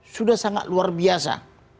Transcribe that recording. sudah sangat luar biasa